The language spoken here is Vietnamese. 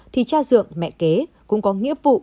thì cha dượng mẹ kế cũng có nghĩa vụ